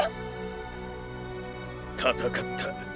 戦った。